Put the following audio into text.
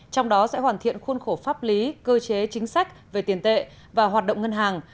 trong đó sẽ hoàn thiện khuôn khổ pháp lý cơ chế chính sách về tiền tệ và hoạt động ngân hàng